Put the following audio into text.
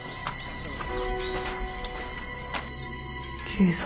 警察。